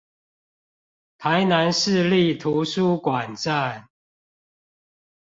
台南市立圖書館站